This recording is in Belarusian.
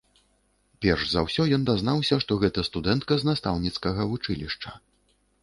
Перш за ўсё ён дазнаўся, што гэта студэнтка з настаўніцкага вучылішча.